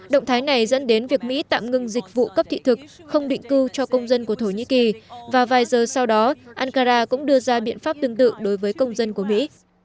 động thái này dẫn đến việc mỹ tạm ngưng dịch vụ cấp thị thực không định cư cho công dân của thổ nhĩ kỳ và vài giờ sau đó ankara cũng đưa ra biện pháp tương tự đối với công dân của mỹ